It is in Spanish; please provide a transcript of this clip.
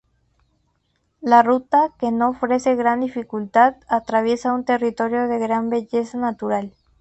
La ruta, que no ofrece gran dificultad, atraviesa un territorio de gran belleza natural.